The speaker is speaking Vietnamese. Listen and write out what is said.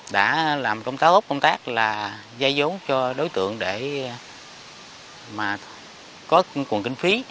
đã làm công tác hốt công tác là dây dốn cho đối tượng để mà có quần kinh phí